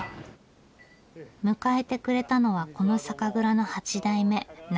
迎えてくれたのはこの酒蔵の八代目中川雄翔さん。